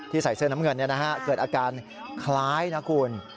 ใส่เสื้อน้ำเงินเกิดอาการคล้ายนะคุณ